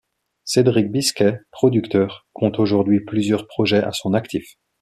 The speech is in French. Cédric Biscay, producteur, compte aujourd’hui plusieurs projets à son actif.